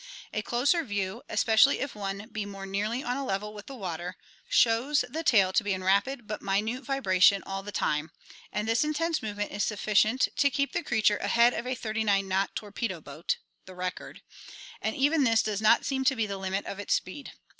A closer view, especially if one be more nearly on a level with the water, shows the tail to be in rapid but minute vibration all the time, and this in tense movement is sufficient to keep the creature ahead of a 39 knot torpedo boat (the record) and even this does not seem to be the limit of its speed.